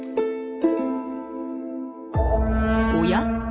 おや？